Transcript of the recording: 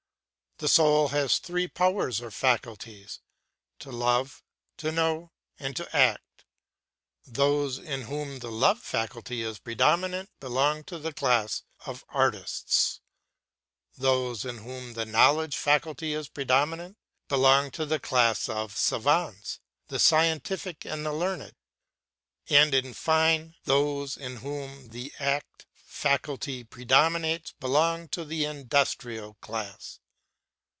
The soul has three powers or faculties, to love, to know, and to act. Those in whom the love faculty is predominant belong to the class of artists, those in whom the knowledge faculty is predominant belong to the class of savans, the scientific and the learned, and in fine, those in whom the act faculty predominates belong to the industrial class.